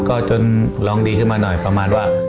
ก็จนลองดีขึ้นมาหน่อยประมาณว่า